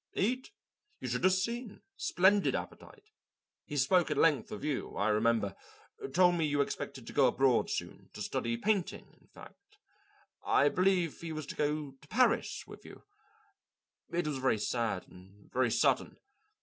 Eat? You should have seen splendid appetite. He spoke at length of you, I remember; told me you expected to go abroad soon to study painting; in fact, I believe he was to go to Paris with you. It was very sad and very sudden.